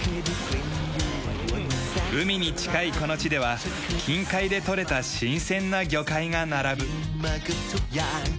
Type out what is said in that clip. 海に近いこの地では近海で取れた新鮮な魚介が並ぶ。